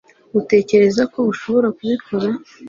Uratekereza ko ushobora kubikora